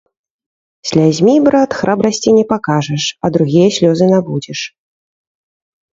Слязьмі, брат, храбрасці не пакажаш, а другія слёзы набудзеш.